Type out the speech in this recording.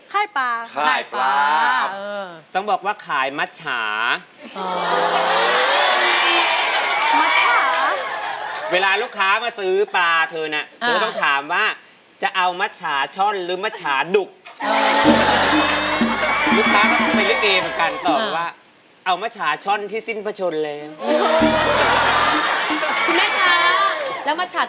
ไข้ปลาเข้าไปถึงไข้ปลา